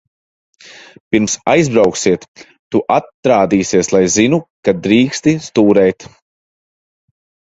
Pirms aizbrauksiet, tu atrādīsies, lai zinu, ka drīksti stūrēt.